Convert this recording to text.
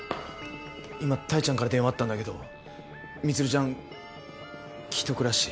今多恵ちゃんから電話あったんだけど充ちゃん危篤らしい。